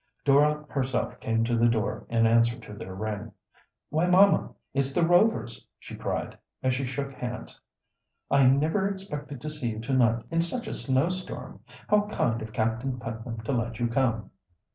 Dora herself came to the door in answer to their ring. "Why, mamma, it's the Rovers!" she cried, as she shook hands, "I never expected to see you to night, in such a snowstorm. How kind of Captain Putnam to let you come."